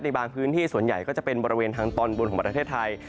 บางพื้นที่ส่วนใหญ่ก็จะเป็นบริเวณทางตอนบนของประเทศไทย